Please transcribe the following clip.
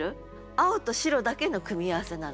青と白だけの組み合わせなの。